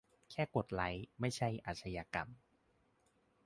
"แค่กดไลค์ ไม่ใช่อาชญากรรม"